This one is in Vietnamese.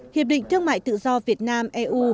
hiệp định thương mại tự do việt nam eu